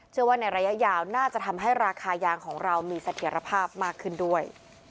ในระยะยาวน่าจะทำให้ราคายางของเรามีเสถียรภาพมากขึ้นด้วย